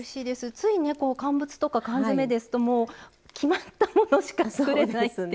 ついね乾物とか缶詰ですともう決まったものしか作れないっていう。